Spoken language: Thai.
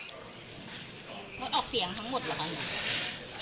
งดออกเสียงทั้งหมดเหรอคะเนี่ย